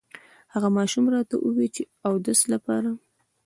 هغه ماشوم راته ووې چې اودس لپاره